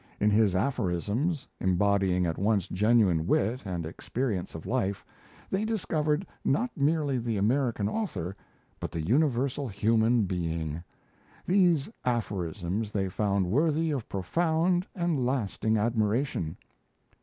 In his aphorisms, embodying at once genuine wit and experience of life, they discovered not merely the American author, but the universal human being; these aphorisms they found worthy of profound and lasting admiration.